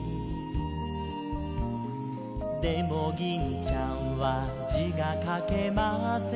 「でも銀ちゃんは字が書けません」